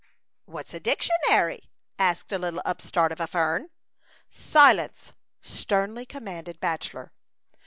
" What's a dictionary ?" asked a little upstart of a fern. " Silence I " sternly commanded Bachelor.